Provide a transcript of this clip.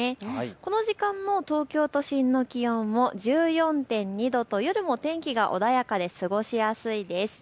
この時間の東京都心の気温も１４．２度と夜も天気が穏やかで過ごしやすいです。